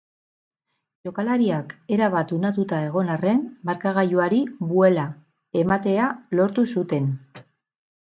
Jokalariak erabat unatuta egon arren markagailuari buela ematea lortu zuten.